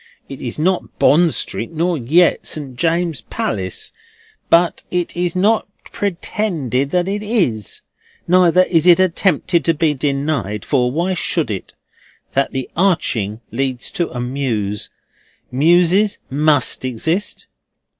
It is not Bond Street nor yet St. James's Palace; but it is not pretended that it is. Neither is it attempted to be denied—for why should it?—that the Arching leads to a mews. Mewses must exist.